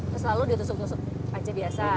terus lalu ditusuk tusuk kaca biasa